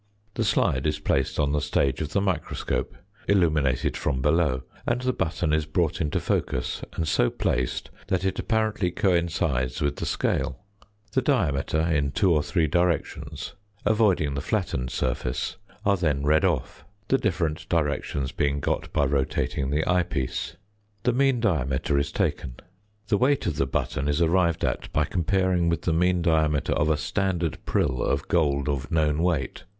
The slide is placed on the stage of the microscope, illuminated from below; and the button is brought into focus, and so placed that it apparently coincides with the scale. The diameters in two or three directions (avoiding the flattened surface) are then read off: the different directions being got by rotating the eyepiece. The mean diameter is taken. The weight of the button is arrived at by comparing with the mean diameter of a standard prill of gold of known weight.